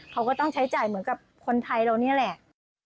เขาก็ต้องใช้จ่ายเหมือนกับคนไทยเรานี่แหละ